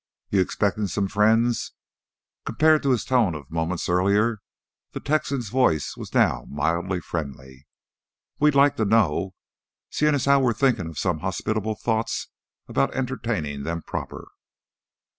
"You expectin' some friends?" Compared to his tone of moments earlier, the Texan's voice was now mildly friendly. "We'd like to know, seein' as how we're thinkin' some hospitable thoughts 'bout entertainin' them proper."